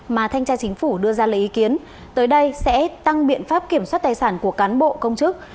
mà thanh tra chính phủ đưa ra lấy ý kiến tới đây sẽ tăng biện pháp kiểm soát tài sản của cán bộ công chức